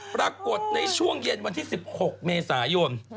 ปรากฏในช่วงเย็นวันที่๑๖เมษายน